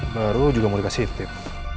baru juga mau dikasih tip